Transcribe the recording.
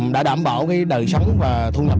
đã đảm bảo đời sống và thu nhập